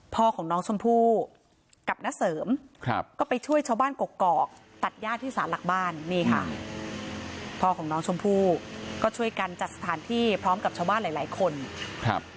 พ่อของน้องชมพูก็ช่วยกันจัดสถานที่พร้อมกับชาวบ้านหลายหลายคนครับ